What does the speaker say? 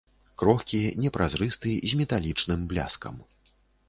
Крохкі, непразрысты, з металічным бляскам.